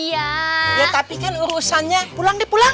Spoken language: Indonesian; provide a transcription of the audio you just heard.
ya tapi kan urusannya pulang deh pulang